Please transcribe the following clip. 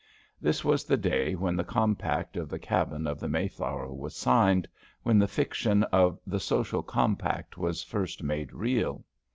This was the day when the compact of the cabin of the Mayflower was signed, when the fiction of the "social compact" was first made real.